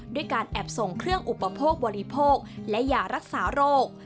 ด้วยการแอบส่งเครื่องอุปโภคบริโภคและยารักษาโรค